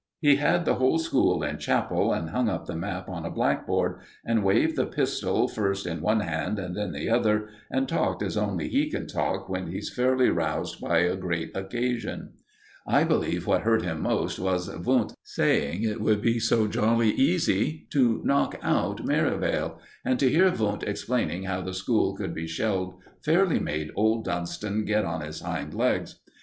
He had the whole school in chapel, and hung up the map on a blackboard, and waved the pistol first in one hand and then the other, and talked as only he can talk when he's fairly roused by a great occasion. I believe what hurt him most was Wundt saying it would be so jolly easy to knock out Merivale; and to hear Wundt explaining how the school could be shelled fairly made old Dunston get on his hind legs.